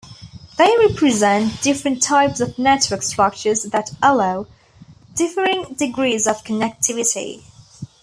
They represent different types of network structures that allow differing degrees of connectivity.